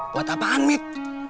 buat apaan med